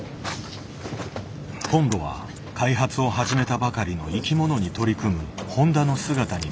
今度は開発を始めたばかりの「いきもの」に取り組む誉田の姿に出くわした。